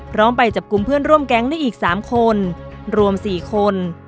ไปจับกลุ่มเพื่อนร่วมแก๊งได้อีก๓คนรวม๔คน